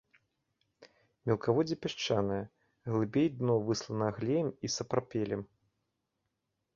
Мелкаводдзе пясчанае, глыбей дно выслана глеем і сапрапелем.